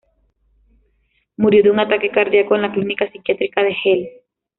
Murió de un ataque cardíaco en la clínica psiquiátrica de Halle.